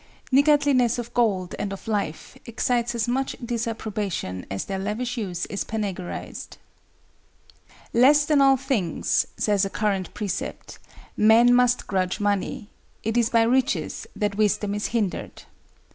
Niggardliness of gold and of life excites as much disapprobation as their lavish use is panegyrized. "Less than all things," says a current precept, "men must grudge money: it is by riches that wisdom is hindered."